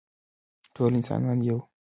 ټول انسانان یو